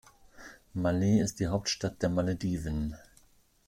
Malé ist die Hauptstadt der Malediven.